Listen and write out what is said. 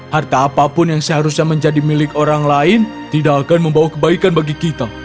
harta apapun yang seharusnya menjadi milik orang lain tidak akan membawa kebaikan bagi kita